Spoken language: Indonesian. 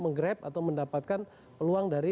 menggrab atau mendapatkan peluang dari